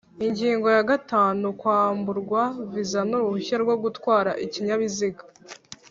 Ingingo ya gatanu Kwamburwa viza n uruhushya rwo gutwara ikinyabiziga